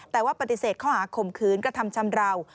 แต่ว่าปฏิเสธข้อหาข่มขืนกระทำชำราว